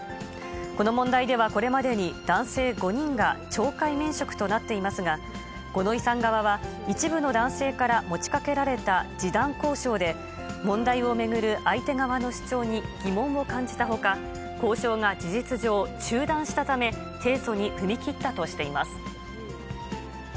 この問題では、これまでに男性５人が懲戒免職となっていますが、五ノ井さん側は一部の男性から持ちかけられた示談交渉で、問題を巡る相手側の主張に疑問を感じたほか、交渉が事実上中断したため、提訴に踏み切ったとしています。